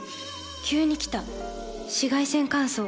急に来た紫外線乾燥。